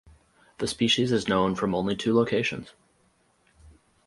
The species is known from only two locations.